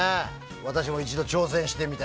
私も一度、挑戦してみたい。